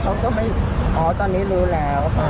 เขาก็ไม่อ๋อตอนนี้รู้แล้วค่ะ